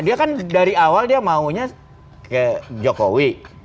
dia kan dari awal dia maunya ke jokowi